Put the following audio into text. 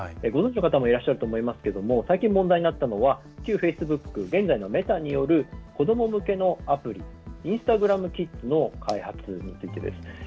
ご存じの方もいらっしゃると思いますが最近、問題になったのは旧フェイスブック現在のメタによる子ども向けのアプリインスタグラム・キッズの開発です。